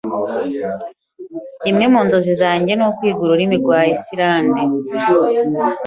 Imwe mu nzozi zanjye nukwiga ururimi rwa Islande.